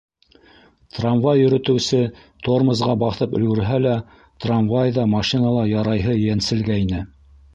Трамвай йөрөтөүсе тормозға баҫып өлгөрһә лә, трамвай ҙа, машина ла ярайһы йәнселгәйне.